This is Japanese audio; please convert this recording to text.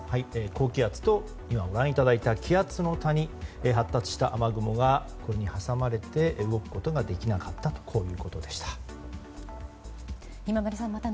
高気圧と気圧の谷発達した雨雲が挟まれて動くことができなかったとこういうことでした。